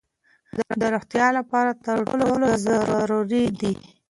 د روغتیا لپاره ترکاري ضروري ده.